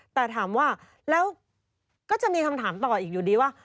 แต่ถามว่าแล้วก็จะมีคำถามต่ออีกอยู่ดีว่า